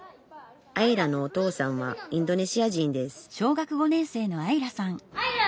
愛来のお父さんはインドネシア人です